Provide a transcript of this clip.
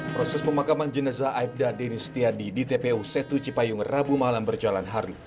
proses pemakaman jenazah aibda deni setiadi di tpu setu cipayung rabu malam berjalan haru